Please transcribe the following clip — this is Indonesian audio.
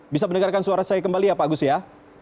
bisa mendengarkan suara saya kembali ya pak agus ya